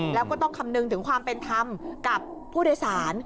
แล้วก็ต้องคำนึงถึงความเป็นธรรมกับผู้โดยสาร